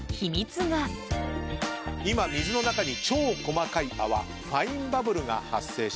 今水の中に超細かい泡ファインバブルが発生しております。